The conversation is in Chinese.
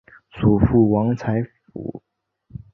祖父王才甫。